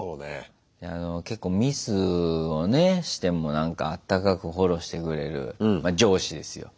結構ミスをねしてもなんかあったかくフォローしてくれる上司ですよ。